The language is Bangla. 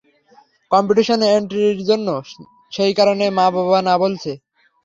কম্পিটিশনে এন্ট্রির জন্য সেই কারণে মা-বাবা না বলছে।